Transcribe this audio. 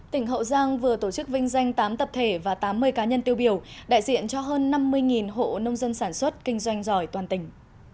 tỉnh hậu giang vừa tổ chức vinh danh tám tập thể và tám mươi cá nhân tiêu biểu đại diện cho hơn năm mươi hộ nông dân sản xuất kinh doanh giỏi toàn tỉnh